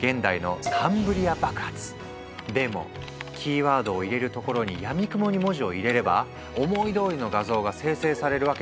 でもキーワードを入れるところにやみくもに文字を入れれば思いどおりの画像が生成されるわけではない。